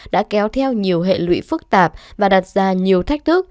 đã kéo theo nhiều hệ lụy phức tạp và đặt ra nhiều thách thức